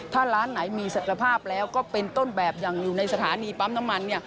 ถ้าร้านไหนมีศักยภาพแล้วก็เป็นต้นแบบอย่างอยู่ในสถานีปั๊มน้ำมัน